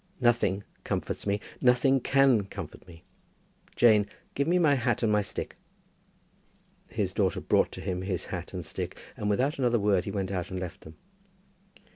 "Nothing comforts me. Nothing can comfort me. Jane, give me my hat and my stick." His daughter brought to him his hat and stick, and without another word he went out and left them.